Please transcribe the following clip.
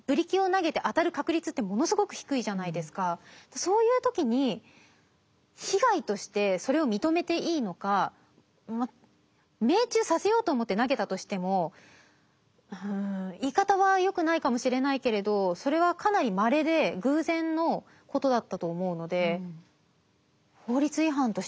そういう時に被害としてそれを認めていいのか命中させようと思って投げたとしても言い方はよくないかもしれないけれどそれはかなりまれで個人的な意見としては客観的に思います。